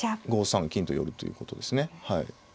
５三金と寄るということですね。